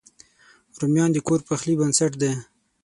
رومیان د کور پخلي بنسټ دی